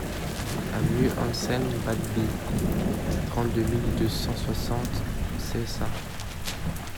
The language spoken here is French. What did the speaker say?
Avenue Anselme Batbie, trente-deux mille deux cent soixante Seissan